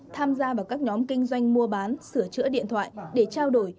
tham gia vào các nhóm kinh doanh mua bán sửa chữa điện thoại để trao đổi